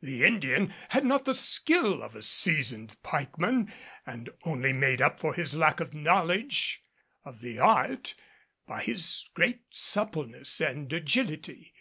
The Indian had not the skill of a seasoned pikeman and only made up for his lack of knowledge of the art by his great suppleness and agility.